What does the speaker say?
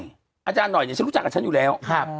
อนนี่ฉันรู้จักอยู่แล้ว